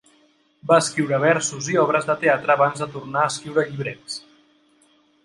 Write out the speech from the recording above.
Va escriure versos i obres de teatre abans de tornar a escriure llibrets.